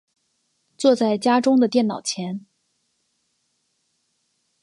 坐在家中的电脑前